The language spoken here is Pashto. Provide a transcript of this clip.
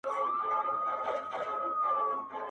خو باید وي له رمې لیري ساتلی -